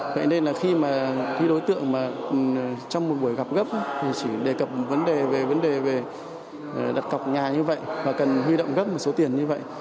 vậy nên là khi mà khi đối tượng mà trong một buổi gặp gấp thì chỉ đề cập vấn đề về vấn đề về đặt cọc nhà như vậy và cần huy động gấp một số tiền như vậy